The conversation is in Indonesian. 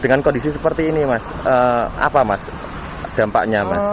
apa dampaknya mas